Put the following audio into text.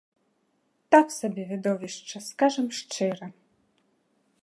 Так сабе відовішча, скажам шчыра.